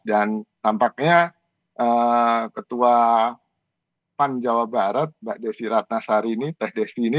dan tampaknya ketua pan jawa barat mbak desi ratnasari ini teh desi ini